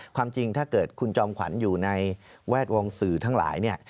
ความจริงถ้าเกิดคุณจอมขวัญอยู่ในแวดวงสื่อทั้งหลายเนี่ย